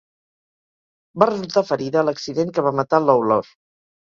Va resultar ferida a l'accident que va matar Lawlor.